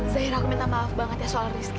sehira aku minta maaf banget ya soal rizky